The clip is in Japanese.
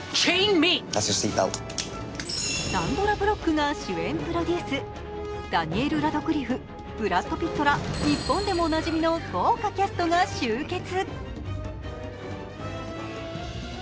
サンドラ・ブロックが主演、プロデュース、ダニエル・ラドクリフ、ブラッド・ピットら日本でもおなじみの豪華キャストが集結。